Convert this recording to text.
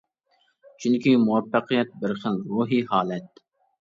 چۈنكى، مۇۋەپپەقىيەت بىر خىل روھى ھالەت.